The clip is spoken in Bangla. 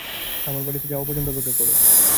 খামারবাড়িতে যাওয়া পর্যন্ত অপেক্ষা করো।